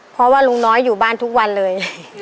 เพราะว่าลุงน้อยอยู่บ้านทุกวันเลย